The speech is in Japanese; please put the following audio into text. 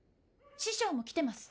師匠も来てます。